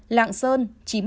lạng sơn chín mươi hai